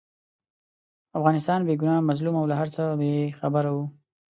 افغانستان بې ګناه، مظلوم او له هرڅه بې خبره وو.